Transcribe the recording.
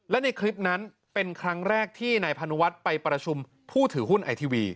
และในคลิปนั้นเป็นครั้งแรกที่นายพานุวัฒน์ไปประชุมผู้ถือหุ้นไอทีวี